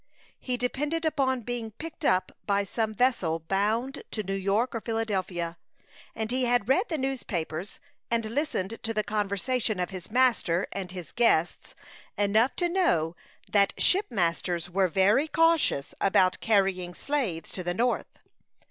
He depended upon being picked up by some vessel bound to New York or Philadelphia; and he had read the newspapers and listened to the conversation of his master and his guests enough to know that shipmasters were very cautious about carrying slaves to the North.